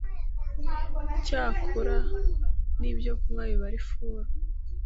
Icyakura n’ibyo kunywa biba ari furu